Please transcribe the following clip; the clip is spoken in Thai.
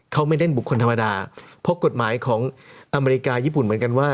เขาไม่เล่นบุคคลธรรมดาเพราะกฎหมายของอเมริกาญี่ปุ่นเหมือนกันว่า